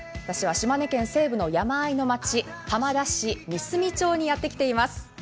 私は島根県西部の山あいの町浜田市三隅町にやってきています。